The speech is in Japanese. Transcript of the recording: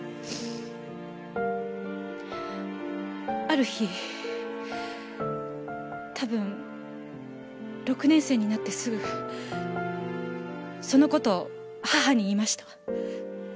ある日多分６年生になってすぐその事を母に言いました。